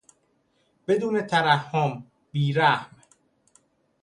بدون ترحم، بیرحم